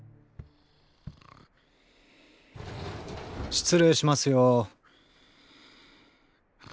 失礼しますよ。